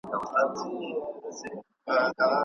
د طلاق د مشروعيت حکمتونه.